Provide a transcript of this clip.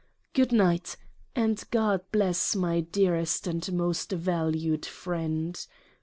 Good Night! and God bless my dearest and most valued Friend